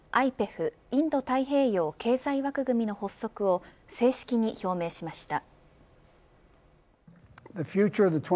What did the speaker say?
インド太平洋経済枠組みの発足を正式に表明しました。